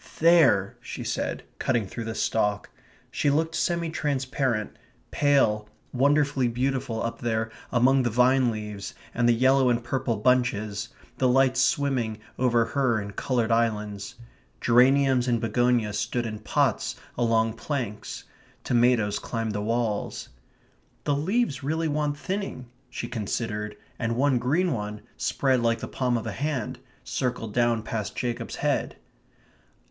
"There!" she said, cutting through the stalk. She looked semi transparent, pale, wonderfully beautiful up there among the vine leaves and the yellow and purple bunches, the lights swimming over her in coloured islands. Geraniums and begonias stood in pots along planks; tomatoes climbed the walls. "The leaves really want thinning," she considered, and one green one, spread like the palm of a hand, circled down past Jacob's head.